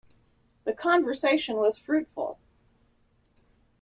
The conversation was fruitful.